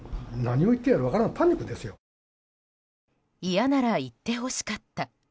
嫌なら言ってほしかった。